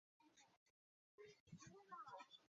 九姓乌古斯在阙特勤碑提及他们。